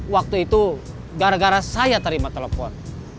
waktu itu gara gara saya terima telepon